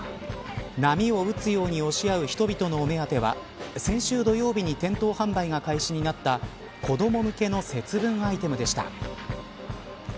波を打つように押し合う人々のお目当ては先週土曜日に店頭販売が開始になった子ども向けの節分アイテムでした。